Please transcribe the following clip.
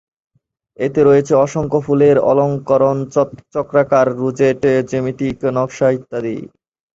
এতে রয়েছে অসংখ্য ফুলের অলঙ্করণ, চক্রাকার ‘রোজেট’, জ্যামিতিক নকশা ইত্যাদি।